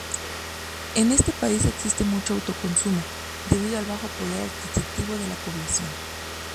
En este país existe mucho autoconsumo, debido al bajo poder adquisitivo de la población.